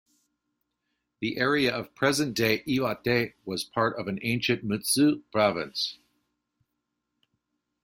The area of present-day Iwate was part of ancient Mutsu Province.